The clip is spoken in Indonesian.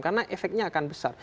karena efeknya akan besar